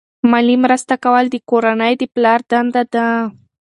مالی مرسته کول د کورنۍ د پلار دنده ده.